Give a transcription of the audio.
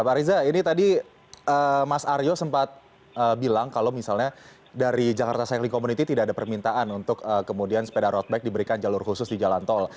pak riza ini tadi mas aryo sempat bilang kalau misalnya dari jakarta cycling community tidak ada permintaan untuk kemudian sepeda road bike diberikan jalur khusus di jalan tol